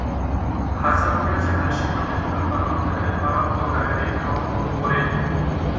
هڅه وکړه چې هره شېبه د خپل پرمختګ لپاره وکاروې او وخورې.